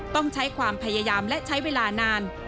ต้องใช้ความพยายามและใช้เวลานาน